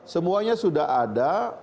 semuanya sudah ada